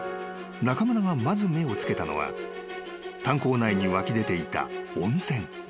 ［中村がまず目を付けたのは炭鉱内に湧き出ていた温泉］